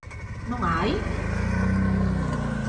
¿Non a hai?